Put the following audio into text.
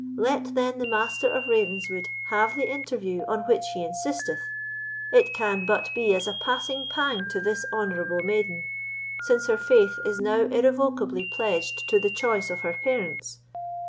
Let then, the Master of Ravenswood have the interview on which he insisteth; it can but be as a passing pang to this honourable maiden, since her faith is now irrevocably pledged to the choice of her parents.